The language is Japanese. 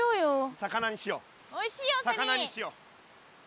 魚にしよう。